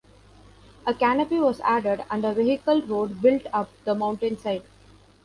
A canopy was added and a vehicle road built up the mountainside.